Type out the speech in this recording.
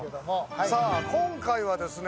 さあ、今回はですね。